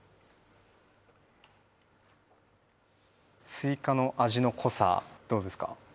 スイカの味の濃さどうですか？